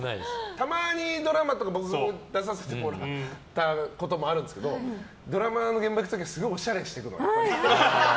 たまにドラマとか出させてもらったこともあるんですけどドラマの現場行く時すごいおしゃれしてくの。